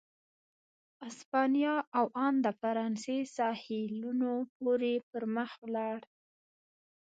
اسپانیا او ان د فرانسې ساحلونو پورې پر مخ ولاړ.